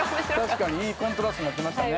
確かにいいコントラストになってましたね。